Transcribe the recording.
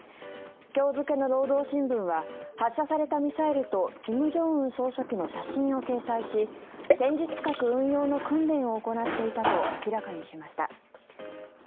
今日付けの労働新聞は発射されたミサイルと金正恩総書記の写真を掲載し戦術核運用の訓練を行っていたと明らかにしました。